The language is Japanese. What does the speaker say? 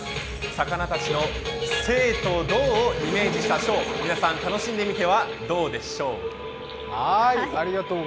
魚たちの静と動をイメージしたショー、皆さん楽しんでみてはどうでショー。